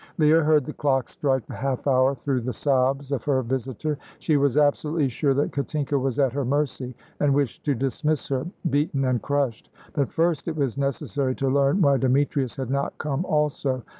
Leah heard the clock strike the half hour through the sobs of her visitor. She was absolutely sure that Katinka was at her mercy, and wished to dismiss her, beaten and crushed. But first it was necessary to learn why Demetrius had not come also.